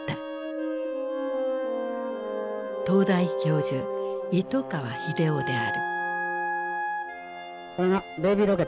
東大教授糸川英夫である。